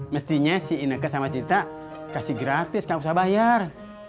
mestinya si ini ke sama citra kasih gratis nggak usah bayar